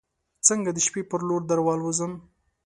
څنګه د شپې پر لور دروالوزم